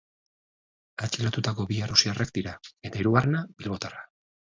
Atxilotutako bi errusiarrak dira, eta hirugarrena bilbotarra.